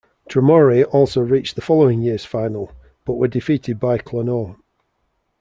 Dromore also reached the following year's final, but were defeated by Clonoe.